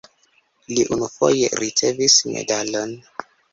Li unufoje ricevis medalon.